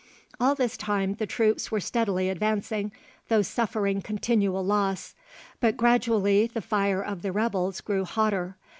All this time the troops were steadily advancing, though suffering continual loss; but gradually the fire of the rebels grew hotter.